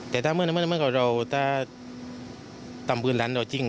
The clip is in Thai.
เป็นเมื่อนานั้นเวลาเป็นเราถ้าตามพื้นฬังเราจริง